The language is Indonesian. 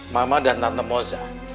mama dan tante moza